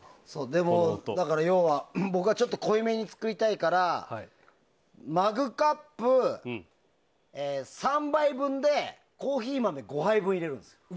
でも、要は、僕はちょっと濃いめに作りたいからマグカップ３杯分でコーヒー豆５杯分入れるんです。